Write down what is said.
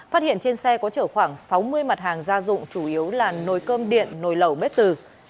phát hiện trên xe có chở khoảng sáu mươi mặt hàng gia dụng chủ yếu là nồi cơm điện nồi lẩu bếp từ